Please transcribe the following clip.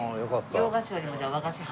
洋菓子よりも和菓子派？